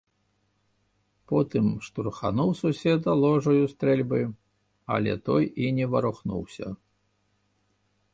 Потым штурхануў суседа ложаю стрэльбы, але той і не варухнуўся.